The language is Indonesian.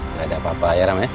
gak ada apa apa ya rahma